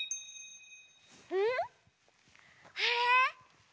ん？あれ？